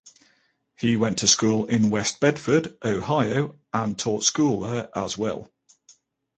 He went to school in West Bedford, Ohio and taught school there as well.